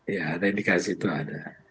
ya ada indikasi itu ada